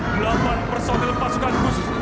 delapan personil pasukan khusus